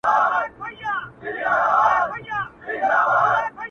دې لېوني زما د پېزوان په لور قدم ايښی دی,